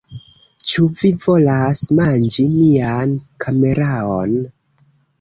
Cxu vi volas manĝi mian kameraon?